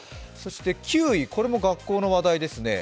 ９位、これも学校の話題ですね。